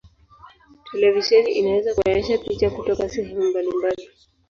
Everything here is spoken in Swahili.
Televisheni inaweza kuonyesha picha kutoka sehemu mbalimbali.